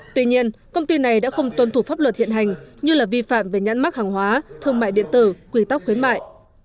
tuy nhiên công ty này đã không tuân thủ pháp luật hiện hành như là vi phạm về nhãn mác hàng hóa thương mại điện tử quy tắc khuyến mại